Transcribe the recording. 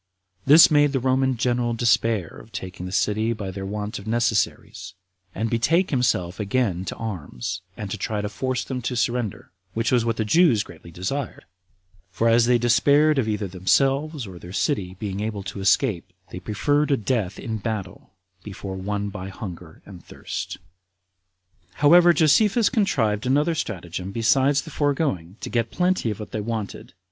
This made the Roman general despair of taking the city by their want of necessaries, and to betake himself again to arms, and to try to force them to surrender, which was what the Jews greatly desired; for as they despaired of either themselves or their city being able to escape, they preferred a death in battle before one by hunger and thirst. 14. However, Josephus contrived another stratagem besides the foregoing, to get plenty of what they wanted.